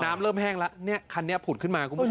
น้ำเริ่มแห้งแล้วเนี่ยคันนี้ผุดขึ้นมาคุณผู้ชม